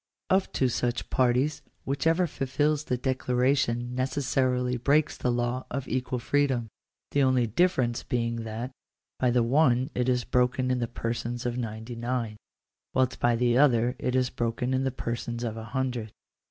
Of two such parties, whichever fulfils this decla ration necessarily breaks the law of equal freedom : the only difference being that by the one it is broken in the persons of ninety nine, whilst by the other it is broken in the persons of a hundred.